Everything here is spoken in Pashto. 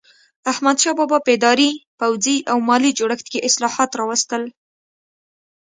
احمدشاه بابا په اداري، پوځي او مالي جوړښت کې اصلاحات راوستل.